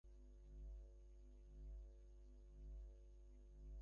সুনির্দিষ্ট সাক্ষ্য প্রমাণ ছাড়া আমাদের এ ধরনের মন্তব্য করার সুযোগ নেই।